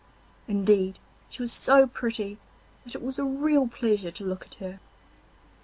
Indeed, she was so pretty that it was a real pleasure to look at her.